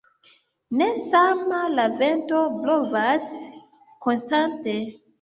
Ne sama la vento blovas konstante.